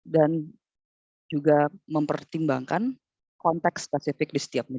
dan juga mempertimbangkan konteks spesifik di setiap negara